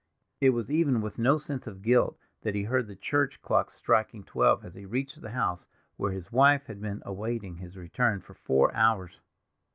It was even with no sense of guilt that he heard the church clocks striking twelve as he reached the house where his wife had been awaiting his return for four hours.